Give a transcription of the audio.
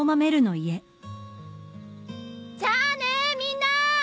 じゃあねみんな！